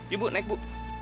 yuk bu naik bu